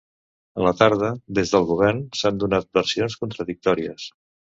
A la tarda, des del govern s’han donat versions contradictòries.